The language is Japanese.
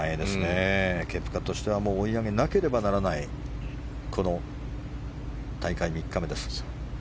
ケプカとしては追い上げなければならないこの大会３日目です。